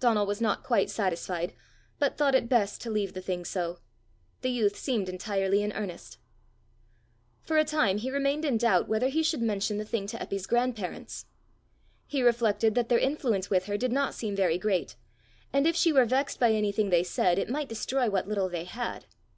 Donald was not quite satisfied, but thought it best to leave the thing so. The youth seemed entirely in earnest. For a time he remained in doubt whether he should mention the thing to Eppy's grandparents. He reflected that their influence with her did not seem very great, and if she were vexed by anything they said, it might destroy what little they had.